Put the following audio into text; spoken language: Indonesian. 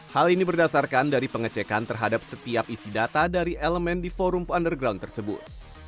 hal ini berdasarkan dari pengecekan terhadap setiap isi data dari elemen di forum underground tersebut